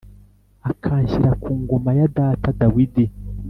akanshyira ku ngoma ya data Dawidi